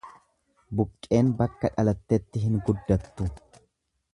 Buqqeen bakka dhalattetti hin guddattu.